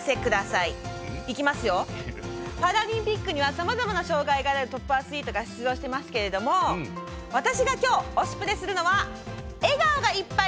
いきますよ、パラリンピックにはさまざまな障がいがあるトップアスリートが出場してますが、私がきょう「推しプレ！」するのは「笑顔がいっぱい！